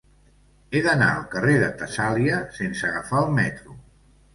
He d'anar al carrer de Tessàlia sense agafar el metro.